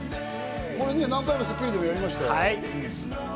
これ、何回も『スッキリ』でやりましたよ。